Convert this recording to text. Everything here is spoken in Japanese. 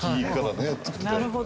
なるほど。